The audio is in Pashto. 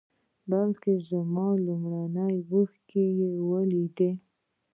بلکې زما لومړنۍ اوښکې یې ولیدې.